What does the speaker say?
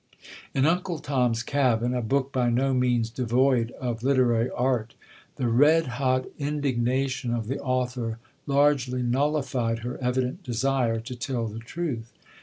In Uncle Tom's Cabin, a book by no means devoid of literary art, the red hot indignation of the author largely nullified her evident desire to tell the truth.